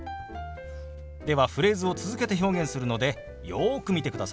ではフレーズを続けて表現するのでよく見てくださいね。